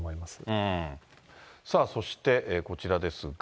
さあ、そしてこちらですが。